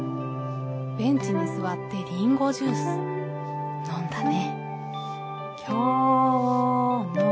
ベンチに座ってリンゴジュース飲んだね。